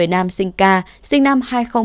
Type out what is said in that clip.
nam sinh ca sinh năm hai nghìn một mươi hai